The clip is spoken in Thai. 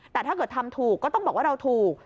แต่ถ้าเกิดทำถูกก็ต้องบอกว่าเราถูก